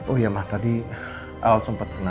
oh iya ma tadi al sempet kena